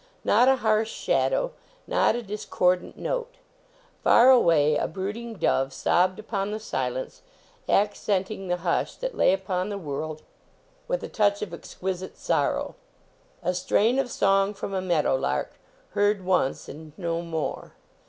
Not a harsh shadow; not a discord ant note. Far away a brooding dove sobbed upon the silence, accenting the hush that lay upon the world with a touch of exquisite sor row. A strain of song from a meadow lark, heard once, and no more.